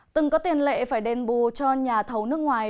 từng có tiền lệ phải đền bù cho nhà thầu nước ngoài